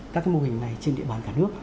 các mô hình này trên địa bàn cả nước